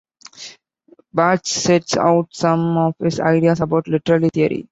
Barthes sets out some of his ideas about literary theory.